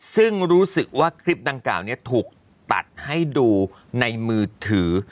ซึ่งรู้สึกว่าคลิปดังกล่าวนี้ถูกตัดให้ดูในมือถือ